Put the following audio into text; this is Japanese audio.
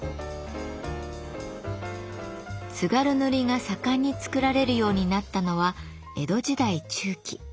津軽塗が盛んに作られるようになったのは江戸時代中期。